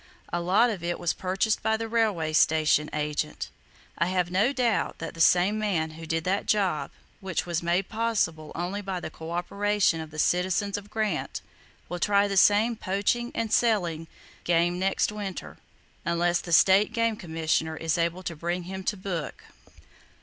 A lot of it was purchased by the railway station agent. I have no doubt that the same man who did that job, which was made possible only by the co operation of the citizens of Grant, will try the same poaching and selling game next winter, unless the State Game Commissioner is able to bring him to book.